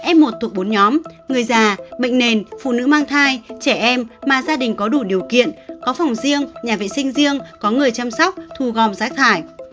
f một thuộc bốn nhóm người già bệnh nền phụ nữ mang thai trẻ em mà gia đình có đủ điều kiện có phòng riêng nhà vệ sinh riêng có người chăm sóc thu gom rác thải